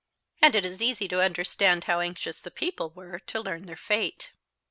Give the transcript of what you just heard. And it is easy to understand how anxious the people were to learn their fate.